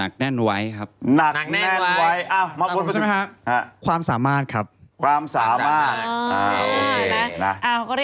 ใครนึกออกเอามาก่อน